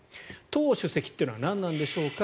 党主席というのは何なんでしょうか。